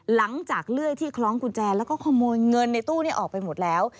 เลื่อยที่คล้องกุญแจแล้วก็ขโมยเงินในตู้นี้ออกไปหมดแล้ว